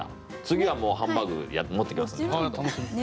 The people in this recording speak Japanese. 次はもうハンバーグ持ってきますんで。